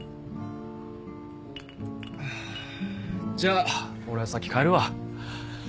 じゃあ俺は先帰るわ。